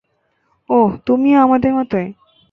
অহ, তুমিও আমাদের মতোই।